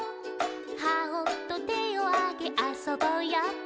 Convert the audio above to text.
「『ハオ！』とてをあげ『あそぼうよ』って」